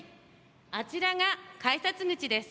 あちらが、改札口です。